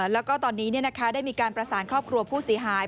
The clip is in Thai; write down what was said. แล้วก็ตอนนี้ได้มีการประสานครอบครัวผู้เสียหาย